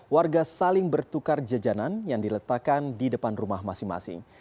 warga saling bertukar jajanan yang diletakkan di depan rumah masing masing